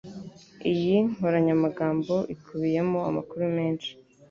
Iyi nkoranyamagambo ikubiyemo amakuru menshi.